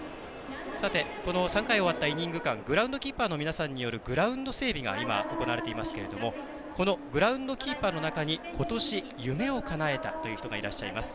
３回が終わったイニング間グラウンドキーパーの皆さんによるグラウンド整備が行われていますがこのグラウンドキーパーの中にことし夢をかなえたという人がいらっしゃいます。